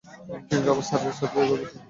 Dean Robert স্যারের সাথে দেখা করতে চাই।